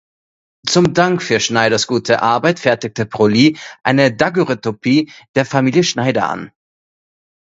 Zum Dank für Schneiders gute Arbeit fertigte Broglie eine Daguerreotypie der Familie Schneider an.